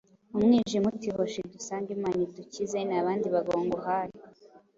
Umwijima uti: “Hoshi dusange Imana idukize nta bandi bagabo nguhaye!”